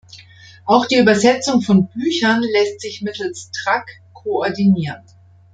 Auch die Übersetzung von Büchern lässt sich mittels Trac koordinieren.